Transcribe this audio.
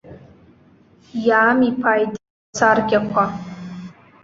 Иаамиԥааит ибласаркьақәа.